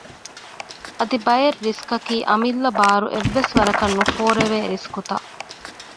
އަދި ބައެއް ރިސްކަކީ އަމިއްލަ ބާރު އެއްވެސް ވަރަކަށް ނުފޯރުވޭ ރިސްކުތައް